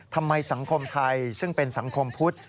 ทำไมสังคมไทยซึ่งเป็นสังคมพุทธ